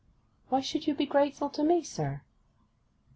'Why should you be grateful to me, sir?